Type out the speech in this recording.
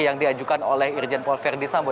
yang diajukan oleh irjen paul verdi sambo